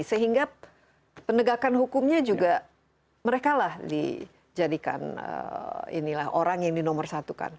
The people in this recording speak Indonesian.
sehingga penegakan hukumnya juga merekalah dijadikan orang yang dinomorsatukan